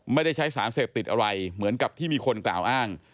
ไม่ได้ใช้สารเสพติดอะไรเหมือนกับที่มีคนกล่าวอ้าง